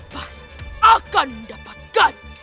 pasti akan mendapatkan